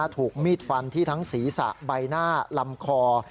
ถูกมีดฟันที่ทั้งศีรษะใบหน้าลำคอ